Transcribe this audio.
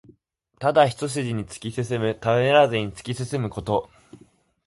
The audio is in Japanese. ただ一すじに突き進む。ためらわずに突き進むこと。